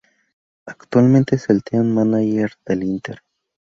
Actualmente es el 'team manager' del Inter.